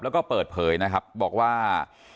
แล้วก็เปิดเผยนะครับบอกว่า